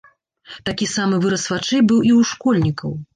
Такі самы выраз вачэй быў і ў школьнікаў.